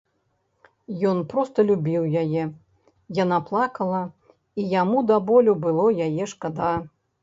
Ён проста любіў яе, яна плакала, і яму да болю было яе шкада.